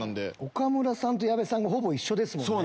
岡村さんと矢部さんがほぼ一緒ですもんね。